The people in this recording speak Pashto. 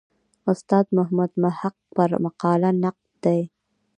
استاد محمد محق پر مقاله نقد دی.